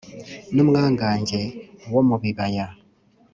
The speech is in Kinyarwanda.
N’umwangange wo mu bibaya.